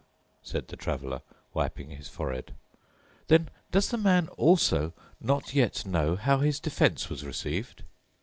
said the Traveler, wiping his forehead, "then does the man also not yet know how his defence was received?"